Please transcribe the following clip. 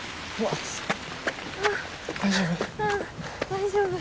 大丈夫？